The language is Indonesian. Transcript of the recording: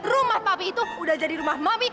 rumah papi itu udah jadi rumah mami